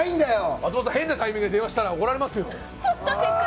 松本さん、変なタイミングで電話したら怒られますよ。